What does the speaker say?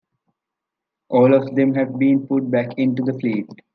All of them have been put back into the fleet.